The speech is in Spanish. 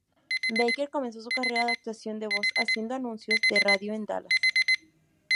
Baker comenzó su carrera de actuación de voz haciendo anuncios de radio en Dallas.